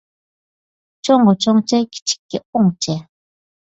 چوڭغا چوڭچە، كىچىككە ئوڭچە